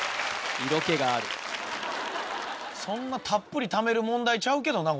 色気があるそんなたっぷりためる問題ちゃうけどな